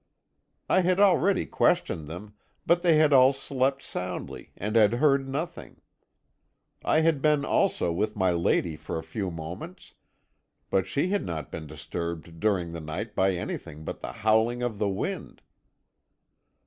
"I had already questioned them, but they had all slept soundly and had heard nothing. I had been also with my lady for a few moments, but she had not been disturbed during the night by anything but the howling of the wind.